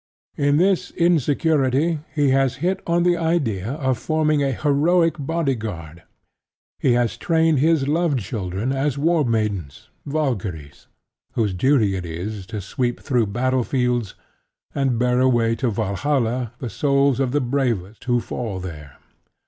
In this insecurity he has hit on the idea of forming a heroic bodyguard. He has trained his love children as war maidens (Valkyries) whose duty it is to sweep through battle fields and bear away to Valhalla the souls of the bravest who fall there.